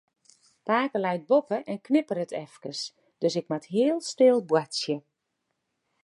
Pake leit boppe en knipperet efkes, dus ik moat heel stil boartsje.